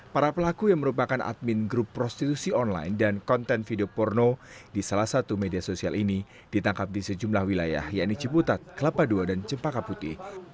para pelaku yang merupakan admin grup prostitusi online dan konten video porno di salah satu media sosial ini ditangkap di sejumlah wilayah yaitu ciputat kelapa ii dan cempaka putih